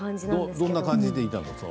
どんな感じでいたの？